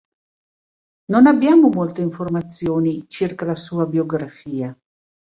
Non abbiamo molte informazioni circa la sua biografia.